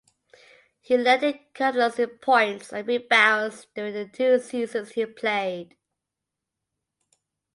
He led the Cardinals in points and rebounds during the two seasons he played.